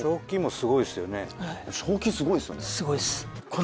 すごいっす。